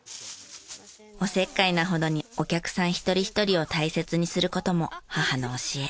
お節介なほどにお客さん一人一人を大切にする事も母の教え。